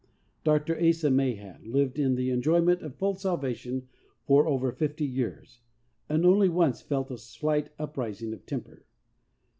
Dr. Asa Mahan lived in the enjoyment of full salvation for over fifty years, and only once felt a slight uprising of temper.